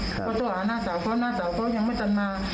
ก็ต้องหาหน้าสาวเขาหน้าสาวเขายังไม่ตันมา